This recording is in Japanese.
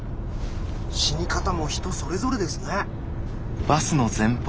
死に方も人それぞれですね。